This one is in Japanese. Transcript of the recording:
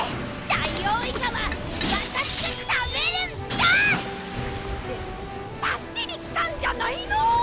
ダイオウイカは私が食べるんだ！って助けに来たんじゃないの！？